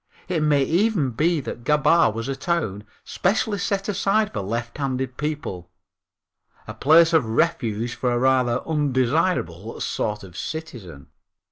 It may even be that Gabaa was a town specially set aside for lefthanded people, a place of refuge for a rather undesirable sort of citizen.